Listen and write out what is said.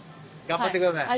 頑張ってください。